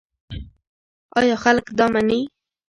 ایا خلک دا مني؟